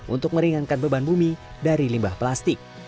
untuk meringankan beban bumi dari limbah plastik